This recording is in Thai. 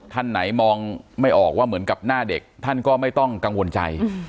ท่านไหนมองไม่ออกว่าเหมือนกับหน้าเด็กท่านก็ไม่ต้องกังวลใจ